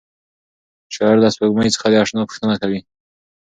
شاعر له سپوږمۍ څخه د اشنا پوښتنه کوي.